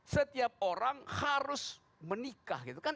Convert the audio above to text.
setiap orang harus menikah gitu kan